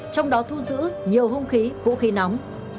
trong đó thu giữ nhiều hung khí vũ khí nóng